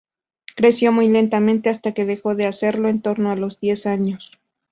Creció muy lentamente hasta que dejó de hacerlo en torno a los diez años.